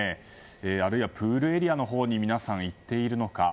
あるいはプールエリアのほうに皆さん行っているのか。